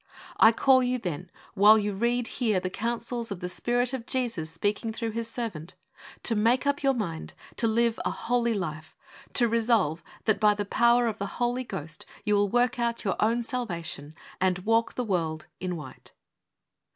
I call you, then, while you read here the counsels of the Spirit of Jesus speaking through His servant, to make up your mind to live a holy life, to resolve that by the power of the Holy Ghost you will work out your own Salvation, and walk the world in white.